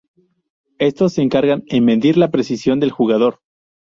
Estos se encargan en medir la precisión del jugador.